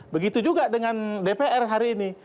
begitu juga dengan dpr hari ini